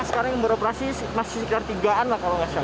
sekarang yang beroperasi masih sekitar tiga an lah kalau nggak salah